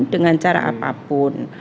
dengan cara apapun